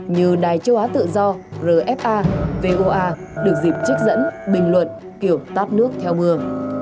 như đài châu á tự do rfa voa được dịp trích dẫn bình luận kiểu tát nước theo mưa